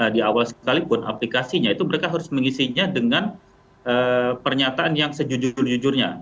di awal sekalipun aplikasinya itu mereka harus mengisinya dengan pernyataan yang sejujur jujurnya